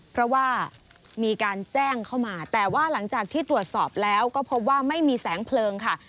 เพราะว่ามีการแจ้งเข้ามาแต่ว่าหลังจากที่ตรวจสอบแล้วก็พบว่าไม่มีแสงเพลิงค่ะ